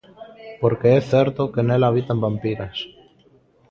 Porque é certo que nela habitan vampiras.